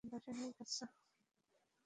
আমাকে কখন বাসায় নিয়ে যাচ্ছো?